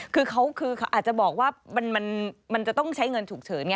คือเขาอาจจะบอกว่ามันจะต้องใช้เงินฉุกเฉินไง